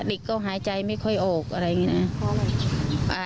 เด็กก็หายใจไม่ค่อยออกอะไรอย่างนี้นะ